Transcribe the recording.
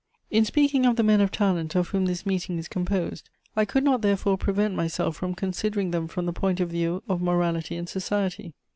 "In speaking of the men of talent of whom this meeting is composed, I could not therefore prevent myself from considering them from the point of view of morality and society.